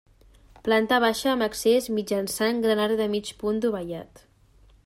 Planta baixa amb accés mitjançant gran arc de mig punt dovellat.